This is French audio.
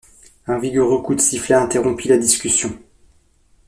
Un vigoureux coup de sifflet interrompit la discussion.